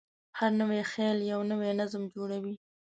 هر نوی خیال یو نوی نظم جوړوي.